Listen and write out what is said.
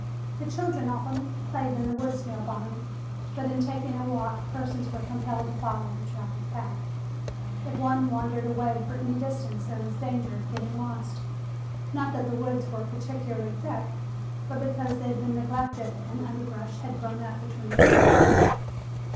The children often played in the woods near by, but in taking a walk persons were compelled to follow the traveled path. If one wandered away for any distance there was danger of getting lost. Not that the woods were particularly thick, but because they had been neglected and underbrush had grown up between the trees.